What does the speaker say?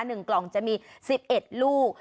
หนึ่งกล่องจะมีสิบเอ็ดลูก